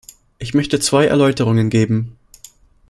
Ich möchte zwei Erläuterungen geben.